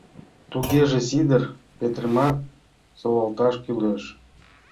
— Тугеже Сидыр Петрымат солалташ кӱлеш.